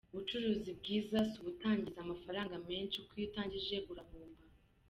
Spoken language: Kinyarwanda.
Ubucuruzi bwiza si ubutangiza amafaranga menshi, kuko iyo uyatangije urahomba.